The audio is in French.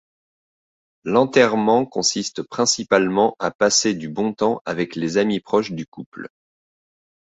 L’enterrement consiste principalement à passer du bon temps avec les amis proches du couple.